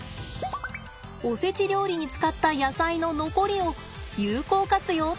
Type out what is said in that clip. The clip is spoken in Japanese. おせち料理に使った野菜の残りを有効活用ってわけね。